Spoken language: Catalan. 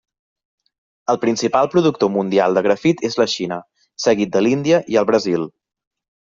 El principal productor mundial de grafit és la Xina, seguit de l'Índia i el Brasil.